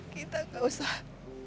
kita gak usah